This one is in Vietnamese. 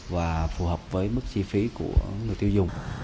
và phù hợp với mức chi phí của người tiêu dùng